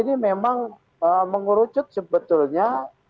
ini memang mengurucut sebetulnya